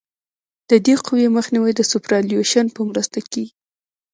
د دې قوې مخنیوی د سوپرایلیویشن په مرسته کیږي